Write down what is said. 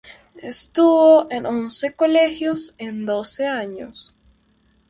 Estuvo en once colegios en doce años.